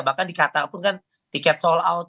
bahkan di qatar pun kan tiket sold out